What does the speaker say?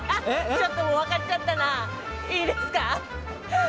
ちょっともう分かっちゃったないいですかいい？